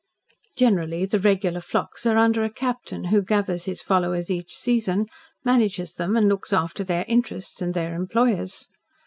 Generally the regular flocks are under a "captain," who gathers his followers each season, manages them and looks after their interests and their employers'.